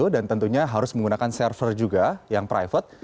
dan tentunya harus menggunakan server juga yang private